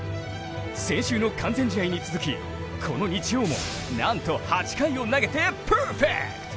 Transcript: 先週の完全試合に続きこの日曜もなんと、８回を投げてパーフェクト。